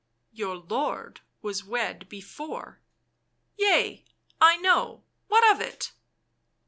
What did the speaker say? " Your lord was wed before." " Yea, I know — what of it?"